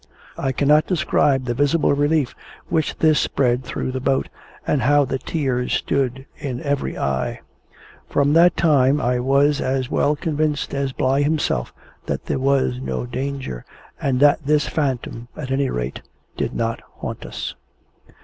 I cannot describe the visible relief which this spread through the boat, and how the tears stood in every eye. From that time I was as well convinced as Bligh himself that there was no danger, and that this phantom, at any rate, did not haunt us.